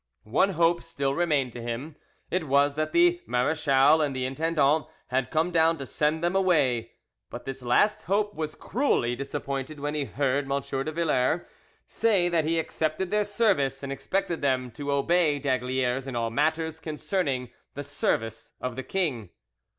One hope still remained to him: it was that the marechal and the intendant had come down to send them away; but this last hope was cruelly disappointed when he heard M. de Villars say that he accepted their service and expected them to obey d'Aygaliers in all matters concerning the service of the king."